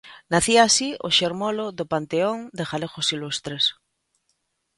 Nacía así o xermolo do Panteón de Galegos Ilustres.